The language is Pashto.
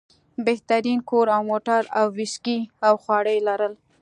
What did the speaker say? بهترین کور او موټر او ویسکي او خواړه یې لرل.